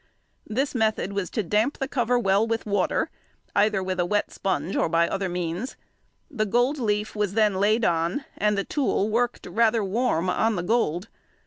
This method was to damp the cover well with water, either with a wet sponge or by other means. The gold leaf was then laid on, and the tool worked rather warm on the gold.